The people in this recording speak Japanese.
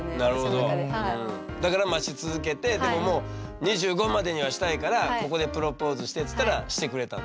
だから待ち続けてでももう「２５までにはしたいからここでプロポーズして」っつったらしてくれたんだ。